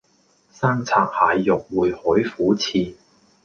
生拆蟹肉燴海虎翅